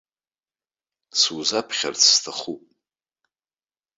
Сузаԥхьарц сҭахуп.